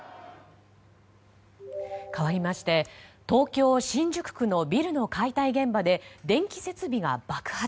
かわりまして東京・新宿区のビルの解体現場で電気設備が爆発。